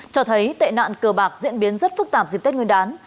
cho thấy tệ nạn cờ bạc diễn biến rất phức tạp dịp tết nguyên đán